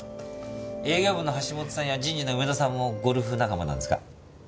営業部の橋下さんや人事の梅田さんもゴルフ仲間なんですか？